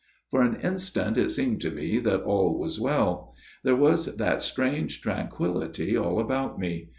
" For an instant it seemed to me that all was well. There was that strange tranquillity all about me.